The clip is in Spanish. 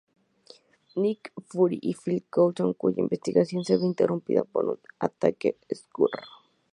Nick Fury y Phil Coulson, cuya investigación se ve interrumpida por un ataque Skrull.